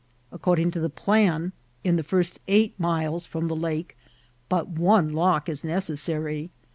According to the plan, in the first eight miles from the lake but one lock is necessary.